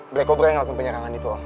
black cobra yang lakukan penyerangan itu om